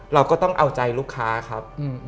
เราก็ต้องเอาใจลูกค้าครับ